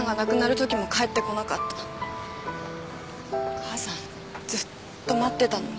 母さんずっと待ってたのに。